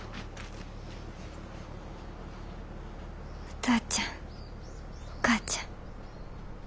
お父ちゃんお母ちゃん。